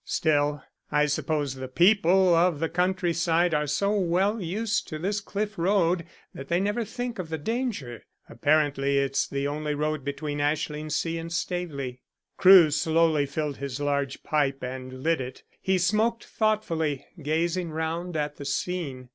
Still, I suppose the people of the country side are so well used to this cliff road that they never think of the danger. Apparently it's the only road between Ashlingsea and Staveley." Crewe slowly filled his large pipe, and lit it. He smoked thoughtfully, gazing round at the scene.